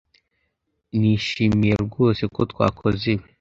Nishimiye rwose ko twakoze ibi